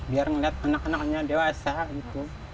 biar ngelihat anak anaknya dewasa gitu